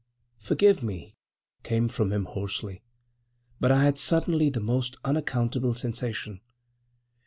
"Forgive me," came from him hoarsely. "But I had suddenly the most—unaccountable sensation.